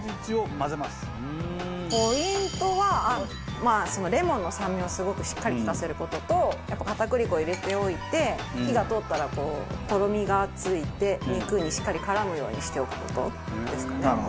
ポイントはまあレモンの酸味をすごくしっかり利かせる事と片栗粉を入れておいて火が通ったらとろみがついて肉にしっかり絡むようにしておく事ですかね。